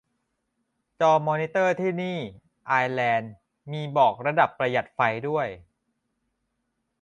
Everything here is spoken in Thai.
จอมอนิเตอร์ที่นี่ ไอร์แลนด์ มีบอกระดับประหยัดไฟด้วย